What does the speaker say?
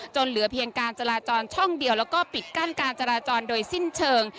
เหลือเพียงการจราจรช่องเดียวแล้วก็ปิดกั้นการจราจรโดยสิ้นเชิง